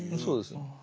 そうですよね。